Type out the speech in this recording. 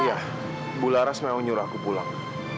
iya bu laras mau nyuruh aku pulang